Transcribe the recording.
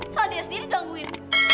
soalnya dia sendiri gangguin